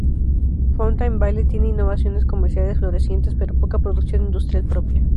Fountain Valley tiene innovaciones comerciales florecientes pero poca producción industrial propia.